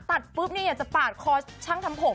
ตัดปุ๊บนี่อยากจะปาดคอช่างทำผม